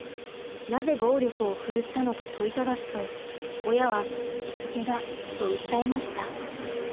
なぜ暴力を振るったのか問いただすと親は「しつけだ」と訴えました。